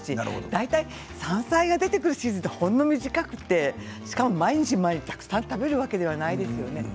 大体、山菜が出てくるシーズンってほんの短くてしかも毎日毎日たくさん食べるわけではないですよね。